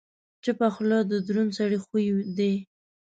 چپه خوله، د دروند سړي خوی دی.